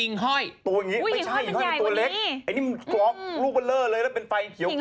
ไอ้นี่กรอบลูกเบลอเลยแล้วเป็นไฟเขียว